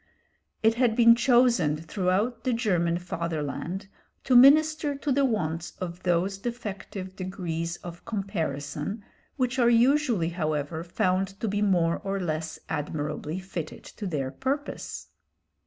It had been chosen throughout the German fatherland to minister to the wants of those defective degrees of comparison which are usually, however, found to be more or less admirably fitted to their purpose.